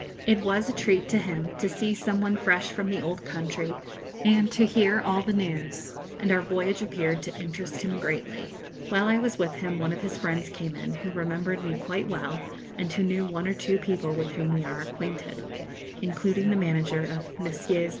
It was a treat to him to see some one fresh from the old country, and to hear all the news, and our voyage appeared to interest him greatly. While I was with him one of his friends came in, who remembered me quite well, and who knew one or two people with whom we are acquainted, including the manager of Messrs.